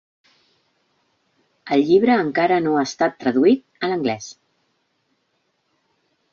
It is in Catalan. El llibre encara no ha estat traduït a l'anglès.